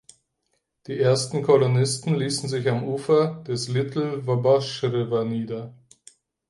Die ersten Kolonisten ließen sich am Ufer des Little Wabash River nieder.